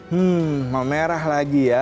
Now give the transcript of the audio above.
hmm memerah lagi ya